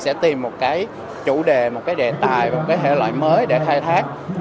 sẽ tìm một cái chủ đề một cái đề tài một cái thể loại mới để khai thác